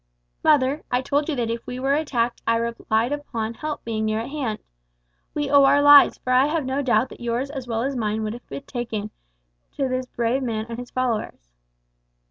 "Mother, I told you that if we were attacked I relied upon help being near at hand. We owe our lives, for I have no doubt that yours as well as mine would have been taken, to this brave man and his followers."